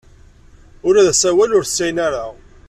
Ula d asawal ur t-sɛin ara.